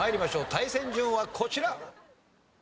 対戦順はこちら！